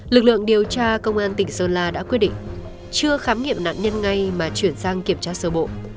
lực lượng điều tra công an tỉnh sơn la đã quyết định chưa khám nghiệm nạn nhân ngay mà chuyển sang kiểm tra sơ bộ